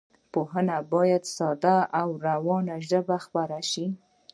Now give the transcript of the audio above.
پوهه باید په ساده او روانه ژبه خپره شي.